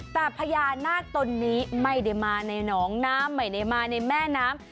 แต่พญานาคตนนี้ไม่ได้มาในหนองน้ำไม่ได้มาในแม่น้ำ